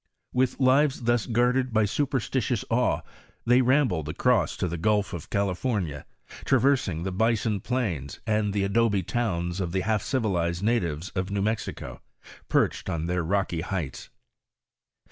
With lives thus guarded by superstitious awe, they 'rambled across to the gulf of California, traversing the bison plains and the adobe towns of the half civilized natives of New Mexicp, perched on their rocky heights.